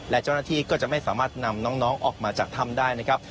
และเจ้าหน้าที่ก็จะไม่สามารถนำน้องออกมาจากถ้ำได้นะครับ